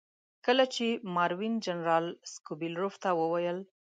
کله چې ماروین جنرال سکوبیلروف ته وویل.